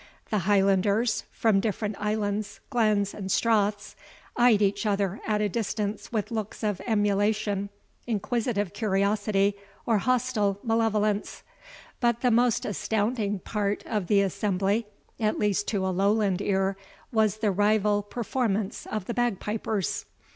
The Highlanders, from different islands, glens, and straths, eyed each other at a distance with looks of emulation, inquisitive curiosity, or hostile malevolence; but the most astounding part of the assembly, at least to a Lowland ear, was the rival performance of the bagpipers.